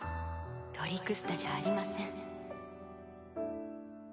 トリクスタじゃありません。